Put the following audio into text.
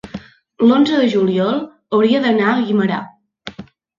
l'onze de juliol hauria d'anar a Guimerà.